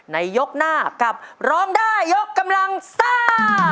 ยกหน้ากับร้องได้ยกกำลังซ่า